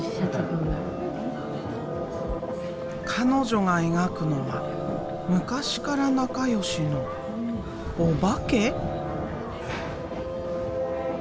彼女が描くのは昔から仲良しのおばけ？